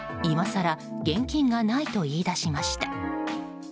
今更、現金がないと言い出しました。